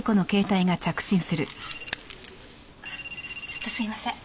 ちょっとすいません。